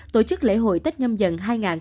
tổ chức lễ hội tết nhâm dần hai nghìn hai mươi bốn